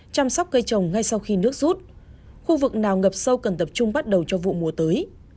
chăm sóc cây trồng ngay sau khi nước rút khu vực nào ngập sâu cần tập trung bắt đầu cho vụ mùa tới